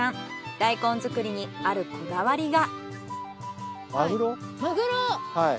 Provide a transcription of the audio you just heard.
大根作りにあるこだわりが。